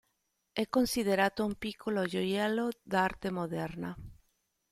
È considerato un piccolo gioiello d'arte moderna.